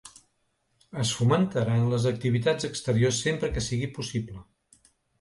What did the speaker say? Es fomentaran les activitats exteriors sempre que sigui possible.